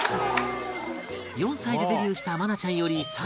４歳でデビューした愛菜ちゃんより更に先輩で